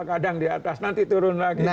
iya jadi kata orang jawa itu cokro manggilingan